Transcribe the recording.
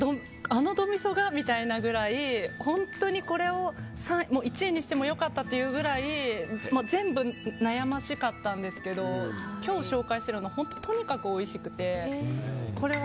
あのど・みそがみたいなくらい本当にこれを１位にしてもよかったというぐらい全部悩ましかったんですけど今日紹介してるのはとにかくおいしくて。